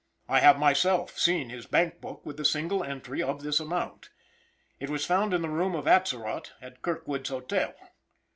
I have myself seen his bank book with the single entry of this amount. It was found in the room of Atzerott, at Kirkwood's Hotel.